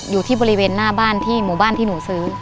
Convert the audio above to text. อยู่ที่บริเวณหน้าบ้านที่หมู่บ้านที่หนูซื้อ